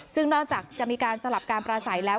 ซึ่งนอกจากจะมีการสลับการปราศัยแล้ว